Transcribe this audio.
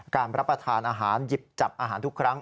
รับประทานอาหารหยิบจับอาหารทุกครั้ง